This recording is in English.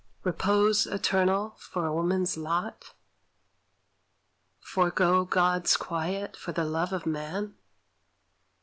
Repose eternal for a woman's lot? Forego God's quiet for the love of man?